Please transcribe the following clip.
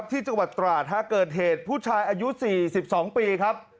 ที่จังหวัดตราดเกิดเหตุผู้ชายอายุ๔๒ปีครับ